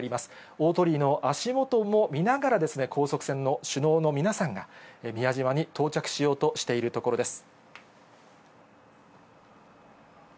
大鳥居の足元も見ながらですね、高速船の首脳の皆さんが、宮島に到着しようとしているところです。